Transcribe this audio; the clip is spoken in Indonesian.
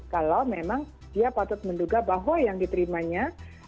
kalau memang dia patut menduga bahwa yang diterimanya